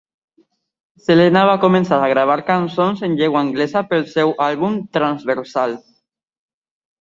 Selena va començar a gravar cançons en llengua anglesa pel seu àlbum transversal.